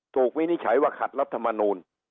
ถูกวินิจฉัยว่าขัดรัฐมนุน